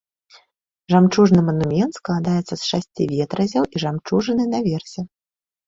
Жамчужны манумент складаецца з шасці ветразяў і жамчужыны наверсе.